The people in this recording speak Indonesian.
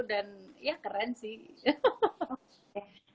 dan ya keren sih